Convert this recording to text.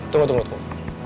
tunggu tunggu tunggu